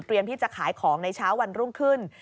ที่จะขายของในเช้าวันรุ่งขึ้น